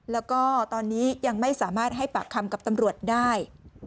แล้วก็ตอนนี้ยังไม่สามารถให้ปากคำกับตำรวจได้